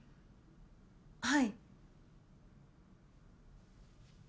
はい。